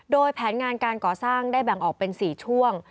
โดยแผนงานการก่อสร้างได้แบ่งออกเป็น๔ช่วง